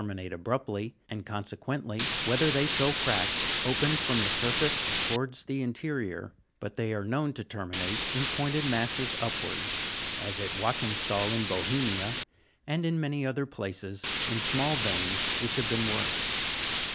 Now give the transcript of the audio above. minate abruptly, and consequently whether they fill cracks opened from the surface towards the interior ; but they are known to terminate in pointed masses upwards, as at Joachimstal in Bohemia, and in many other places, in small veins which have been worked.